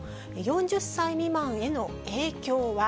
４０歳未満への影響は。